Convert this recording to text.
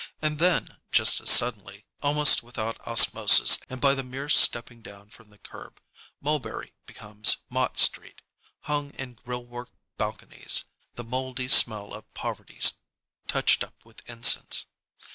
And then, just as suddenly, almost without osmosis and by the mere stepping down from the curb, Mulberry becomes Mott Street, hung in grillwork balconies, the moldy smell of poverty touched up with incense.